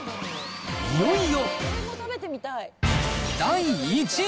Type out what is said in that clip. いよいよ。